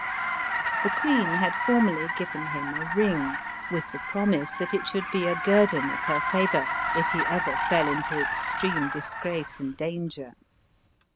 The queen had formerly given him a ring, with the promise that it should be a guerdon of her favor, if he ever fell into extreme disgrace and danger.